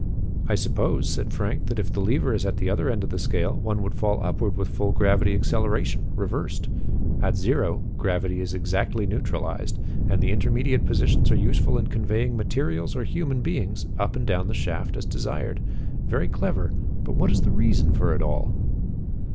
"I suppose," said Frank, "that if the lever is at the other end of the scale one would fall upward with full gravity acceleration reversed. At zero, gravity is exactly neutralized, and the intermediate positions are useful in conveying materials or human beings up and down the shaft as desired. Very clever; but what is the reason for it all?"